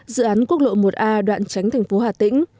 dự án quốc lộ một a đoạn tránh thành phố hà tĩnh